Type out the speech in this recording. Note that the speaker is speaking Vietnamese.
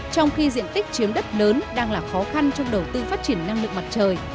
trong khi diện tích chiếm đất lớn đang là khó khăn trong đầu tư phát triển năng lượng mặt trời